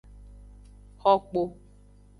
Xo kpo.